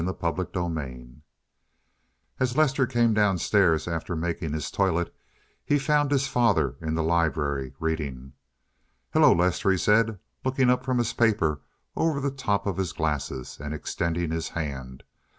CHAPTER XX As Lester came down stairs after making his toilet he found his father in the library reading. "Hello, Lester," he said, looking up from his paper over the top of his glasses and extending his hand.